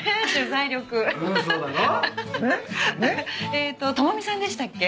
えっと朋美さんでしたっけ？